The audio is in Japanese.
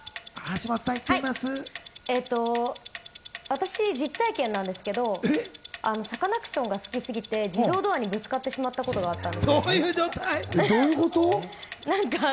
私の実体験なんですけど、サカナクションが好きすぎて自動ドアにぶつかってしまったことがどういうこと？